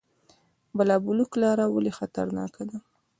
بالابلوک لاره ولې خطرناکه ده؟